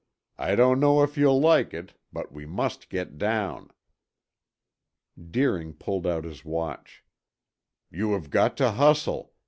I don't know if you'll like it, but we must get down." Deering pulled out his watch. "You have got to hustle.